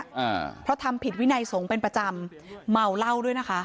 อ่าเพราะทำผิดวินัยสงฆ์เป็นประจำเมาเหล้าด้วยนะคะ